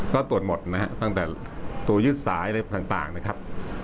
ก็ตรวจหมดนะฮะตั้งแต่ตัวยึดสายอะไรต่างนะครับ